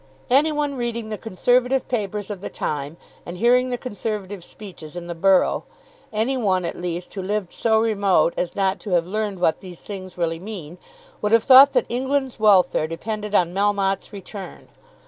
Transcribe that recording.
Any one reading the Conservative papers of the time, and hearing the Conservative speeches in the borough, any one at least who lived so remote as not to have learned what these things really mean, would have thought that England's welfare depended on Melmotte's return.